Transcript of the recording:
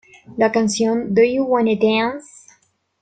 La canción "Do You Wanna Dance?